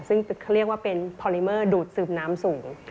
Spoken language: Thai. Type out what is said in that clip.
ซึ่งเขาเรียกว่าเป็นพอลิเมอร์ดูดสืบน้ำสูง